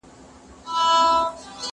یوه توره تاریکه ورښکارېدله